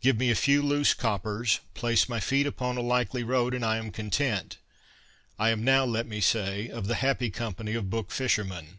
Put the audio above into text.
Give me a few " loose " coppers, place my feet upon a likely road, and I am content. I am now, let me say, of the happy company of book fishermen.